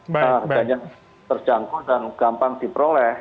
sehingga makanya terjangkau dan gampang diperoleh